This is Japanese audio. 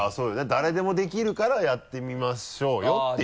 誰でもできるからやってみましょうよっていう。